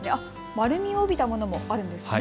丸みを帯びたものもあるんですね。